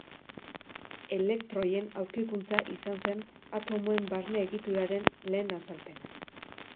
Elektroien aurkikuntza izan zen atomoen barne egituraren lehen azalpena.